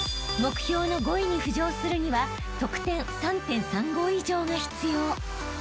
［目標の５位に浮上するには得点３．３５以上が必要］